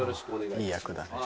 いい役だね。